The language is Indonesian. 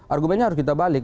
argumennya harus kita balik